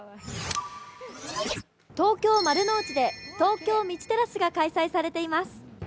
東京・丸の内で東京ミチテラスが開催されています。